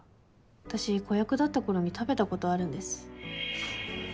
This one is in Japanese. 私子役だった頃に食べたことあるんです。